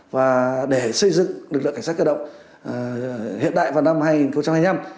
hiện đại vào năm hai nghìn hai mươi năm